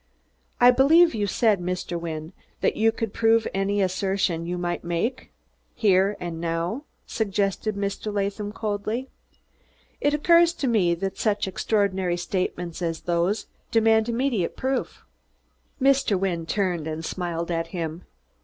"I believe you said, Mr. Wynne, that you could prove any assertion you might make, here and now?" suggested Mr. Latham coldly. "It occurs to me that such extraordinary statements as these demand immediate proof." Mr. Wynne turned and smiled at him.